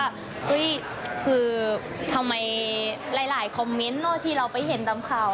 แบบว่าอุ๊ยคือทำไมหลายคอมเมนต์นอกที่เราไปเห็นตามข่าว